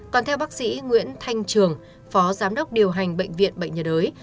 còn theo bác sĩ nguyễn thanh trường phó giám đốc điều hành bệnh viện bệnh nhật ới